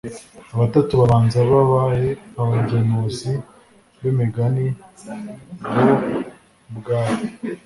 abatatu babanza babaye abagenuzi b’imigani bo ubwabo